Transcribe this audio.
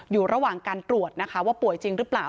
อยู่ระหว่างการตรวจนะคะว่าป่วยจริงหรือเปล่า